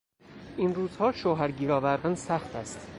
این روزها شوهر گیر آوردن سخت است.